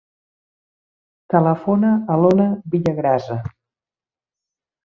Telefona a l'Ona Villagrasa.